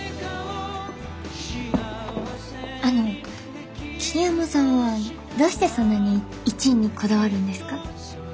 あの桐山さんはどうしてそんなに１位にこだわるんですか？